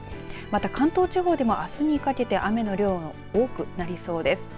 また、関東地方でもあすにかけて雨の量多くなりそうです。